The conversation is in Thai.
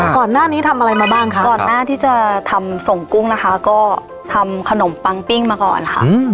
ก่อนหน้านี้ทำอะไรมาบ้างคะก่อนหน้าที่จะทำส่งกุ้งนะคะก็ทำขนมปังปิ้งมาก่อนค่ะ